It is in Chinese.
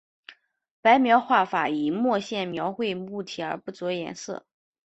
白描画法以墨线描绘物体而不着颜色。